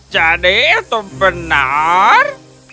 jadi itu benar